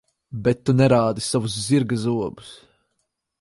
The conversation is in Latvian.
Bet tu nerādi savus zirga zobus.